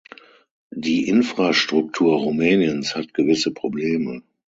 Die Infrastruktur Rumäniens hat gewisse Probleme.